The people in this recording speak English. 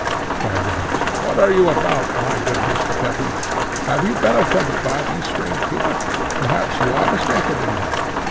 cried the host, "what are you about, my good Mr. Pepusch? Have you been offended by these strange people? Perhaps you are mistaken in them.